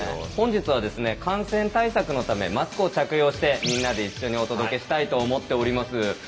本日は感染対策のためマスクを着用してみんなで一緒にお届けしたいと思っております。